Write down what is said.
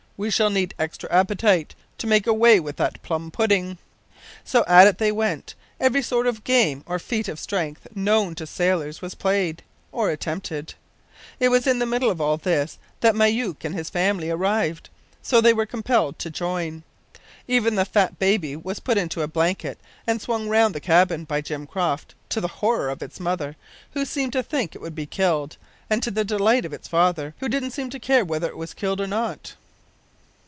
We shall need extra appetite to make away with that plum pudding." So, at it they went! Every sort of game or feat of strength known to sailors was played, or attempted. It was in the middle of all this that Myouk and his family arrived, so they were compelled to join. Even the fat baby was put into a blanket and swung round the cabin by Jim Croft, to the horror of its mother, who seemed to think it would be killed, and to the delight of its father, who didn't seem to care whether it was killed or not.